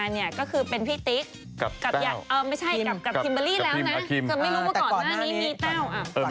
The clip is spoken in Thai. ติ๊กเป็นอยู่แล้ว